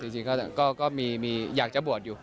จริงก็มีอยากจะบวชอยู่